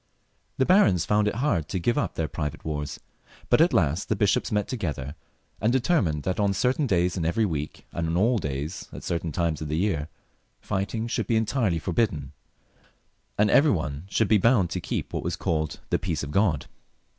The barons found it hard to give up their private wars; but at last the bishops met to gether and determined that on certain days in every week, and on all days at certain times of the year, fighting should be entirely forbidden, and every one should be bound to keep what was called The Peace of God.